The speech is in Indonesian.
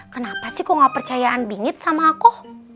kenapa sih kok gak percayaan bingit sama aku